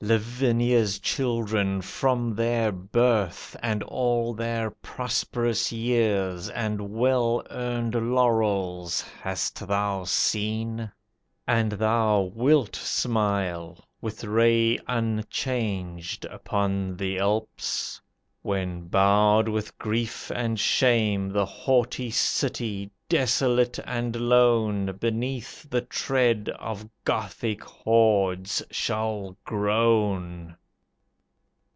Lavinia's children from their birth, And all their prosperous years, And well earned laurels, hast thou seen; And thou wilt smile, with ray unchanged, Upon the Alps, when, bowed with grief and shame, The haughty city, desolate and lone, Beneath the tread of Gothic hordes shall groan.